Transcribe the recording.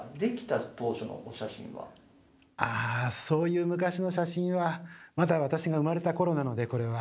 あそういう昔の写真はまだ私が生まれた頃なのでこれは。